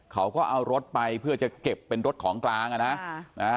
เขาก็เอารถไปเพื่อจะเก็บเป็นรถของกลางอ่ะนะ